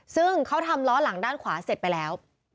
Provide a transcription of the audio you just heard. ซึ่งเขาทำล้อหลังด้านขวาเสร็จไปแล้ว